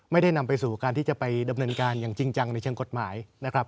ไม่ได้นำไปสู่การที่จะไปดำเนินการอย่างจริงจังในเชิงกฎหมายนะครับ